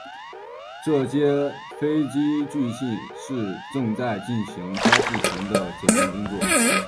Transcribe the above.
这些飞机据信是正在进行交付前的检验工作。